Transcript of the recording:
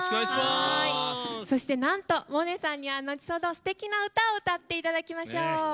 そしてなんと萌音さんには後ほど、すてきな歌を歌っていただきましょう。